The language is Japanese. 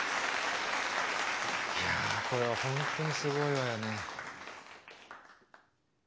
いやー、これは本当にすごいわよね。